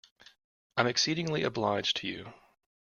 I am exceedingly obliged to you.